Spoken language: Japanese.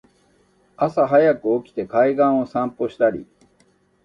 朝はやく起きて海岸を散歩したり